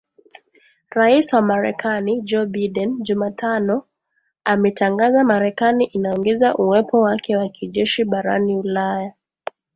Rais wa Marekani, Joe Biden, Jumatano ametangaza Marekani inaongeza uwepo wake wa kijeshi barani Ulaya